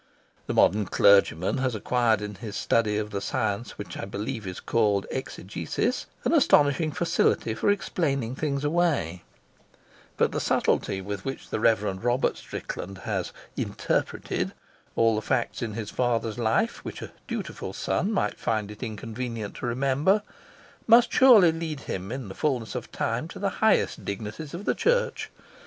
The modern clergyman has acquired in his study of the science which I believe is called exegesis an astonishing facility for explaining things away, but the subtlety with which the Rev. Robert Strickland has "interpreted" all the facts in his father's life which a dutiful son might find it inconvenient to remember must surely lead him in the fullness of time to the highest dignities of the Church.